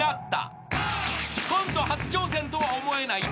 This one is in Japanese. ［コント初挑戦とは思えない］・